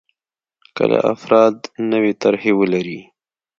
کله افراد نوې طرحې ولري.